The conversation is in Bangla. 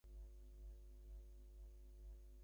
প্যারিসে ধর্মেতিহাস সম্মেলনে স্বামীজীর সহিত সাক্ষাৎ হইয়াছিল।